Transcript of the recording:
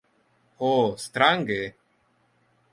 Ho, strange!